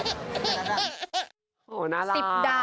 ๑๐ด่านนะคะ